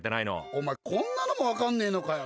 お前、こんなのも分かんねえのかよ！